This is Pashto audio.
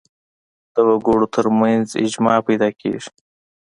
د وګړو تر منځ اجماع پیدا کېږي